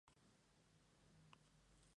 Es la Guardián Espiritual del Oeste.